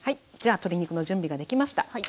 じゃ鶏肉の準備ができました。